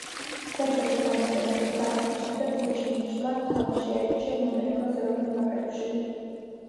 სერბეთის და მონტენეგროს გაყოფის შემდეგ ვუჩინიჩმა თამაში არჩია მონტენეგროს ეროვნულ ნაკრებში.